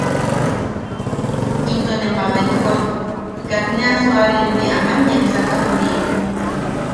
Into ne mabetwak katne a sualen ne aman yepsaka juni’i.